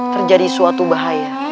terjadi suatu bahaya